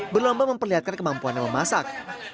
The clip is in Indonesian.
berlomba memperlihatkan kemampuan memasak